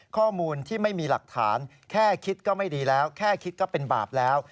ข้อมูลที่ไม่มีหลักฐานแค่คิดก็ไม่ดีแล้วแค่คิดก็เป็นบาปแล้ว